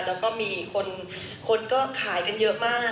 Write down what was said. แล้วก็มีคนก็ขายกันเยอะมาก